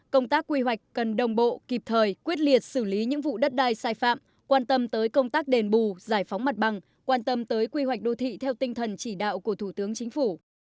công tác quy hoạch cần đồng bộ kịp thời quyết liệt xử lý những vụ đất đai sai phạm quan tâm tới công tác đền bù giải phóng mặt bằng quan tâm tới quy hoạch đô thị theo tinh thần chỉ đạo của thủ tướng chính phủ